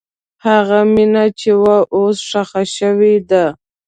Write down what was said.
هغه مینه چې وه، اوس ښخ شوې ده.